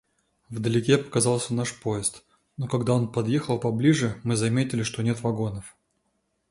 Вдалеке показался наш поезд, но когда он подъехал поближе, мы заметили, что нет вагонов.